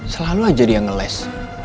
selalu aja dia ngeles